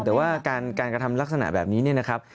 แต่ว่าการกระทำลักษณะแบบนี้เนี่ยนะครับ